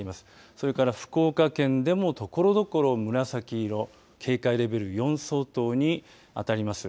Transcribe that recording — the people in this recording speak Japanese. それから福岡県でもところどころ紫色警戒レベル４相当に当たります。